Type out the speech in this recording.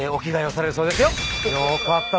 よかった。